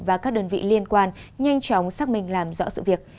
và các đơn vị liên quan nhanh chóng xác minh làm rõ sự việc